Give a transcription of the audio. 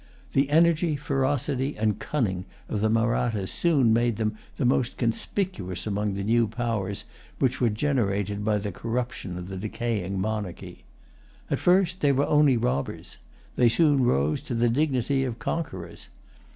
The energy, ferocity, and cunning of the Mahrattas soon made them the most conspicuous among the new powers which were generated by the corruption of the decaying monarchy. At first they were only robbers. They soon rose to the dignity of conquerors.